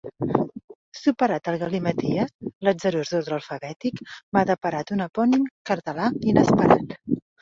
Superat el galimaties, l'atzarós ordre alfabètic m'ha deparat un epònim català inesperat.